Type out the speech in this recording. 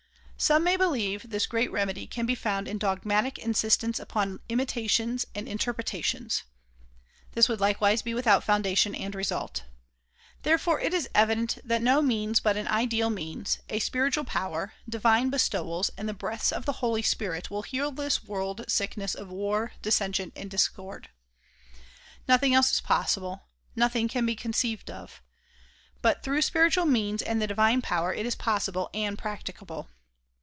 Some may believe this great remedy can be found in dogmatic insistence upon imitations and interpretations. This would likewise be without foundation and result. Therefore it is evident that no means but an ideal means, a spiritual power, divine bestowals and the breaths of the Holy Spirit will heal this world sickness of war, dissension and discord. Nothing else is DISCOURSES DELIVERED IN NEW YORK 153 possible ; nothing can be conceived of. But through spiritual means and the divine power it is possible and practicable.